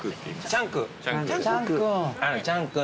チャン君。